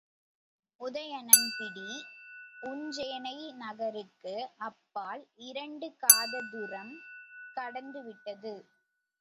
உதயணன் பிடி உஞ்சேனை நகருக்கு அப்பால் இரண்டு காததுரம் கடந்து விட்டது.